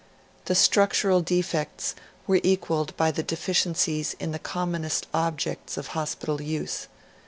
The structural defects were equalled by the deficiencies in the commonest objects of hospital use.